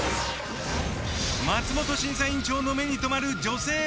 松本審査委員長の目に留まる女性